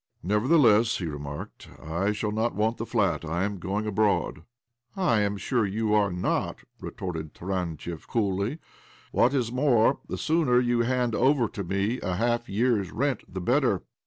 " Nevertheless," he remarked, " I shall not want the flat. I am going abroad." " I am sure you are not,'' retorted Taran tiev coolly. " What is more, the sooner you hand over to me a half year's rent, the better.